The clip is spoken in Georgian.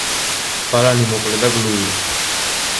ბალანი მოკლე და გლუვია.